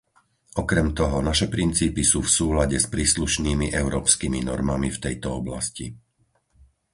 Okrem toho, naše princípy sú v súlade s príslušnými európskymi normami v tejto oblasti.